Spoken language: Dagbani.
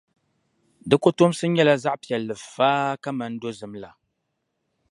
di kɔtomsi nyɛla zaɣ’ piɛlli faa kaman dozim la.